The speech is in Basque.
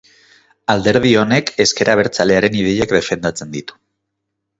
Alderdi honek ezker abertzalearen ideiak defendatzen ditu.